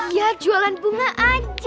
ya jualan bunga aja